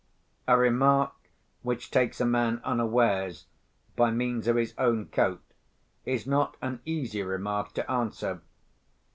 A remark which takes a man unawares by means of his own coat is not an easy remark to answer.